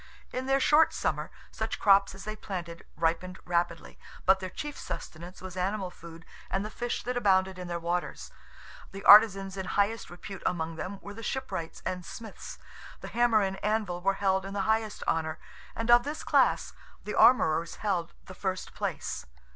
In their short summer, such crops as they planted ripened rapidly, but their chief sustenance was animal food and the fish that abounded in their waters. The artizans in highest repute among them were the shipwrights and smiths. The hammer and anvil were held in the highest honour; and of this class, the armorers held the first place.